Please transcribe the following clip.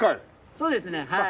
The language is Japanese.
そうですねはい。